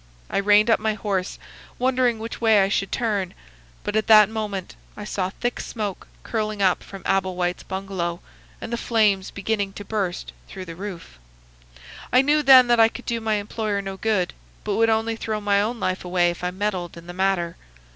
I reined up my horse, wondering which way I should turn, but at that moment I saw thick smoke curling up from Abel White's bungalow and the flames beginning to burst through the roof. I knew then that I could do my employer no good, but would only throw my own life away if I meddled in the matter.